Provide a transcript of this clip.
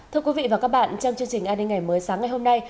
thưa quý vị và các bạn trong chương trình an ninh ngày mới sáng ngày hôm nay